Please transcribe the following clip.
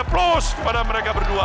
plus kepada mereka berdua